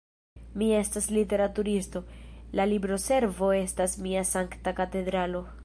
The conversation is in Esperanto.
Mi estas literaturisto, la libroservo estas mia sankta katedralo.